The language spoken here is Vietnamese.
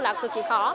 là cực kỳ khó